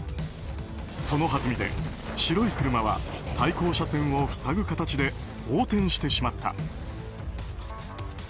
そのはずみで白い車は対向車線を塞ぐ形で横転してしまった。